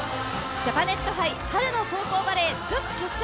ジャパネット杯春の高校バレー女子決勝。